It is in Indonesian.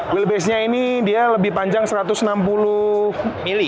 wheelbase nya ini dia lebih panjang satu ratus enam puluh mm